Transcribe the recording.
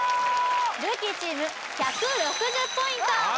ルーキーチーム１６０ポイント